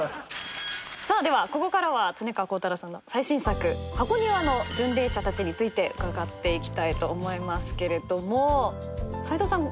さあではここからは恒川光太郎さんの最新作『箱庭の巡礼者たち』について伺っていきたいと思いますけれども斉藤さん